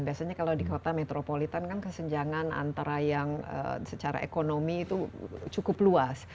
biasanya kalau di kota metropolitan kan kesenjangan antara yang secara ekonomi itu cukup luas